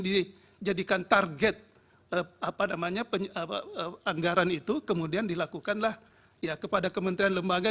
dijadikan target anggaran itu kemudian dilakukanlah kepada kementerian lembaga